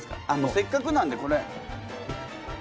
せっかくなんでこれ。